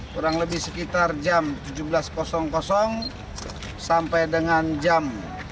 kurang lebih sekitar jam tujuh belas sampai dengan jam delapan belas tiga puluh